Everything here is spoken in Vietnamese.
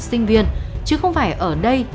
sinh viên chứ không phải ở đây